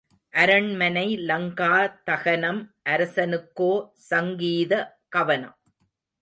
அரண்மனை லங்கா தகனம் அரசனுக்கோ சங்கீத கவனம்.